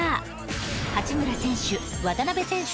八村選手渡邊選手